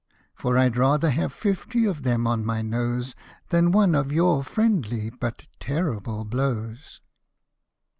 For I'd rather bavejifty of them on my nose, Than one of your friendly but terrible blows."